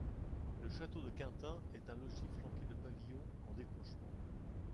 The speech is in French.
Le château de Quintin est un logis flanqué de pavillons en décrochement.